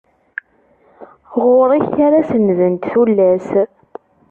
Ɣur-k ara sendent tullas.